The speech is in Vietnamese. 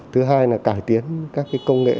thứ hai là cải tiến các công nghệ